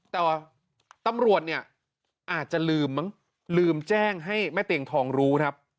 แต่ว่าตำรวจอาจจะลืมลืมแจ้งให้แม่เตียงทองรู้